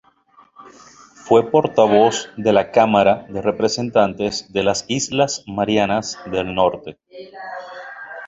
Fue portavoz de la Cámara de Representantes de las Islas Marianas del Norte.